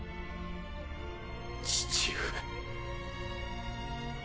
父上。